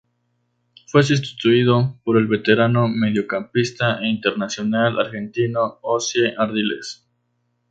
Fue sustituido por el veterano mediocampista e internacional argentino Ossie Ardiles.